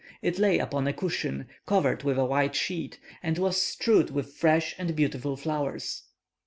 It lay upon a cushion, covered with a white sheet, and was strewed with fresh and beautiful flowers.